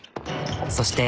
そして。